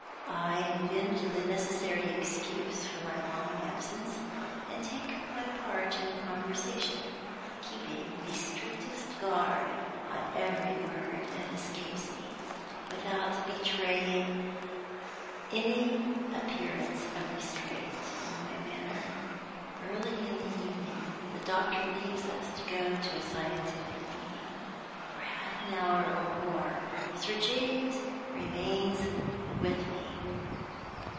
I invent the necessary excuse for my long absence, and take my part in the conversation, keeping the strictest guard on every word that escapes me, without betraying any appearance of restraint in my manner. Early in the evening the doctor leaves us to go to a scientific meeting. For half an hour or more Sir James remains with me.